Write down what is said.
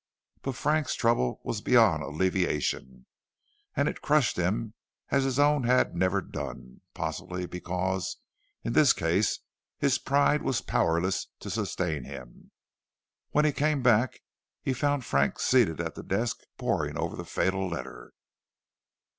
But Frank's trouble was beyond alleviation, and it crushed him as his own had never done, possibly because in this case his pride was powerless to sustain him. When he came back, he found Frank seated at the desk poring over the fatal letter.